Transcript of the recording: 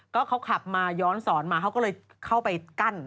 ก็เขาขับมาย้อนสอนมาเขาก็เลยเข้าไปกั้น